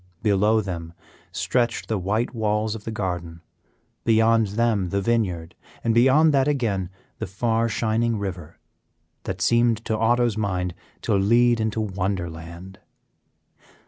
Below them stretched the white walls of the garden, beyond them the vineyard, and beyond that again the far shining river, that seemed to Otto's mind to lead into wonder land.